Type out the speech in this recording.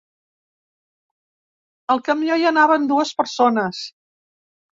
Al camió hi anaven dues persones.